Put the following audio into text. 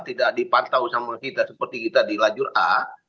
tidak dipantau sama kita seperti kita di lajur a